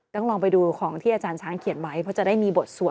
ต้องลองไปดูของที่อาจารย์ช้างเขียนไว้เพราะจะได้มีบทสวด